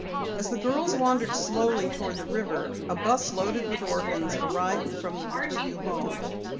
As the girls wandered slowly toward the river, a bus loaded with orphans arrived from the Riverview Home.